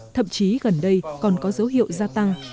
thậm chí gần đây còn có dấu hiệu gia tăng